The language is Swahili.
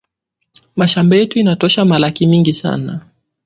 Mashamba yetu ina tosha malaki mingi sana